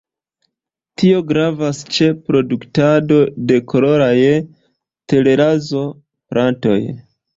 Tio gravas ĉe produktado de koloraj terrazzo-platoj.